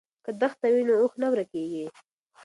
که دښته وي نو اوښ نه ورکیږي.